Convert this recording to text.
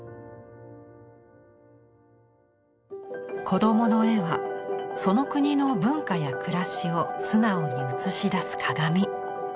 子どもの絵はその国の文化や暮らしを素直に映し出す鏡。